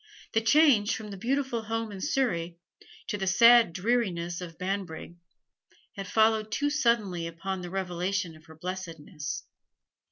The change from the beautiful home in Surrey to the sad dreariness of Banbrigg had followed too suddenly upon the revelation of her blessedness.